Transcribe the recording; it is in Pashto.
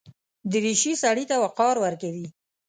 دریشي سړي ته وقار ورکوي.